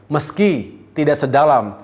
meski tidak sedalam